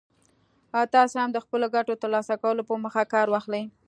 تاسې هم د خپلو ګټو ترلاسه کولو په موخه کار واخلئ.